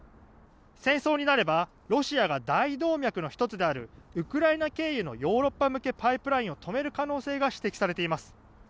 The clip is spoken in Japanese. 戦争になればロシアが大動脈の１つであるウクライナ経由のヨーロッパ向けパイプラインを止める可能性が指摘されています。